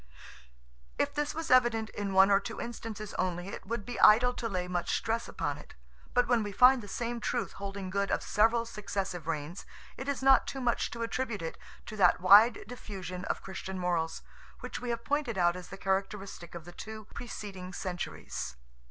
If this was evident in one or two instances only, it would be idle to lay much stress upon it; but when we find the same truth holding good of several successive reigns, it is not too much to attribute it to that wide diffusion of Christian morals, which we have pointed out as the characteristic of the two preceding centuries.